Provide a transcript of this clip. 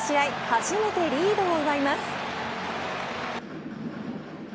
初めてリードを奪います。